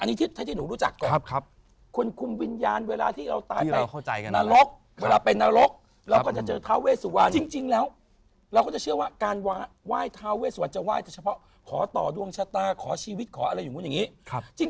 เราก็จะเจอทาวเวสุวรรณจริงแล้วเราก็จะเชื่อว่าการไหว้ทาวเวสุวรรณจะไหว้เฉพาะขอต่อดวงชะตาขอชีวิตขออะไรอย่างนู้นอย่างนี้